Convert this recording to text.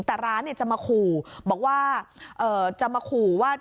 แต่ร้านจะมาครู่ว่า